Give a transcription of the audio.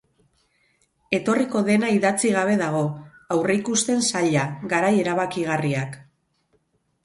Etorriko dena idatzi gabe dago, aurreikusten zaila, garai erabakigarriak...